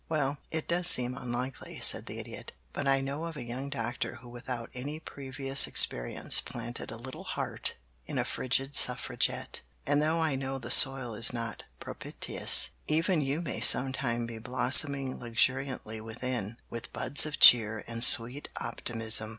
"Well, it does seem unlikely," said the Idiot, "but I know of a young doctor who without any previous experience planted a little heart in a frigid Suffragette; and though I know the soil is not propitious, even you may sometime be blossoming luxuriantly within with buds of cheer and sweet optimism.